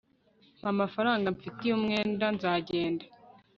mpa amafaranga mfitiye umwenda nzagenda